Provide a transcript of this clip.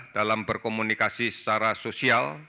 dalam berkomunikasi secara sosial